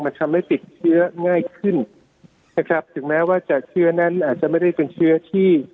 มันทำให้ติดเชื้อง่ายขึ้นนะครับถึงแม้ว่าจากเชื้อนั้นอาจจะไม่ได้เป็นเชื้อที่